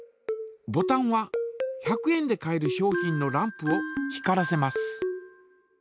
ボタンは１００円で買える商品のランプを光らせます。